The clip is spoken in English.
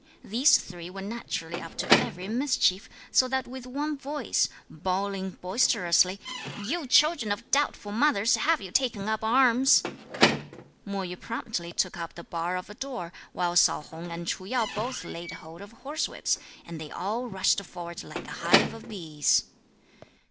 These three were naturally up to every mischief, so that with one voice, bawling boisterously, "You children of doubtful mothers, have you taken up arms?" Mo Yü promptly took up the bar of a door; while Sao Hung and Ch'u Yo both laid hold of horsewhips, and they all rushed forward like a hive of bees.